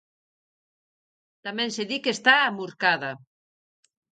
Tamén se di que está amurcada.